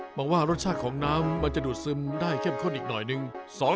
หวังว่ารสชาติของน้ำมันจะดูดซึมได้เข้มข้นอีกหน่อยนึง